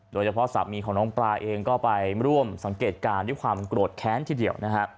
โดยเฉพาะสามีของน้องปลาเองก็ไปร่วมสังเกตการณ์ด้วยความโกรธแค้นทีเดียวนะฮะ